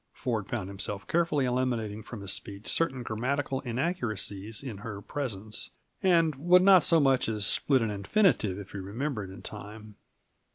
Ford found himself carefully eliminating from his speech certain grammatical inaccuracies in her presence, and would not so much as split an infinitive if he remembered in time.